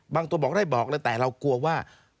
ตัวบอกได้บอกเลยแต่เรากลัวว่า